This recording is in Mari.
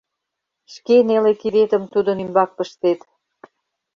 Шке неле кидетым тудын ӱмбак пыштет.